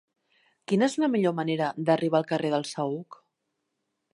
Quina és la millor manera d'arribar al carrer del Saüc?